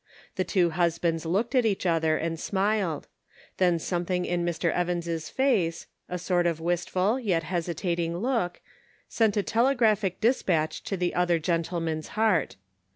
The two husbands looked at each other and smiled ; then something in Mr. Evans' face, a sort of wistful, yet hesitating look, sent a tele graphic dispatch to the other gentleman's heart.